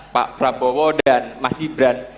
pak prabowo dan mas gibran